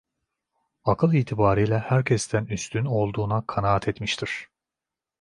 Akıl itibariyle herkesten üstün olduğuna kanaat etmiştir…